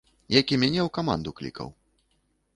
Які мяне ў каманду клікаў.